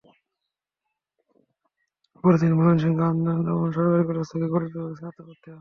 পরে তিনি ময়মনসিংহ আনন্দমোহন সরকারি কলেজ থেকে গণিত বিভাগে স্নাতকে ভর্তি হন।